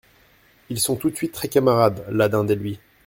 Ils sont tout de suite très camarades, la Dinde et lui.